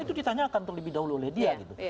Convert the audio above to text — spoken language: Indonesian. itu ditanyakan terlebih dahulu oleh dia gitu